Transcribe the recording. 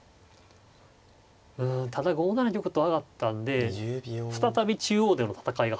うんただ５七玉と上がったんで再び中央での戦いが始まるんですよ。